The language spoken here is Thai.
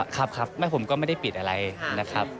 ครับครับผมก็ไม่ได้ปิดอะไรนะครับ